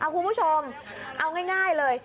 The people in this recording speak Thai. คุณผู้ชมเอาง่ายเลย